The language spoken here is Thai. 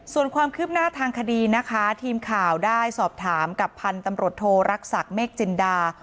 ส่วนความคืบหน้าทางคดีนะคะทีมข่าวได้สอบถามกับพันธุ์ตำรวจโทรรักษักเมฆจินดา